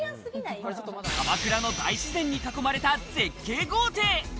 鎌倉の大自然に囲まれた絶景豪邸。